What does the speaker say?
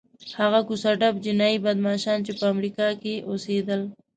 هغه کوڅه ډب جنایي بدماشان چې په امریکا کې اوسېدل.